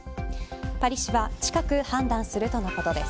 パリ市は近く判断するとのことです。